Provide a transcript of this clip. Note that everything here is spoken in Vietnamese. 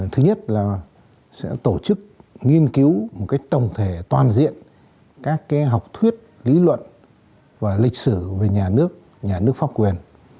thứ nhất là sẽ tổ chức nghiên cứu một cách tổng thể toàn diện các học thuyết lý luận và lịch sử về nhà nước nhà nước pháp quyền